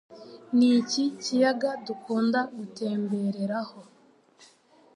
Ni iki Kiyaga dukunda gutembereraho